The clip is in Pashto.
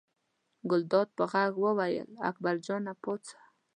ګلداد په غږ وویل اکبر جانه پاڅه.